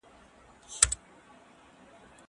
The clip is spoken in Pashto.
زه هره ورځ زدکړه کوم!